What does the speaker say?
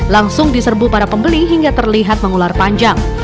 langsung diserbu para pembeli hingga terlihat mengular panjang